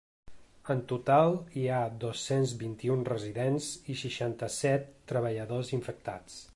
En total hi ha dos-cents vint-i-un residents i seixanta-set treballadors infectats.